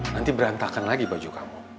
nanti berantakan lagi baju kamu